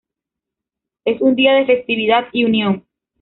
Es un día de festividad y unión.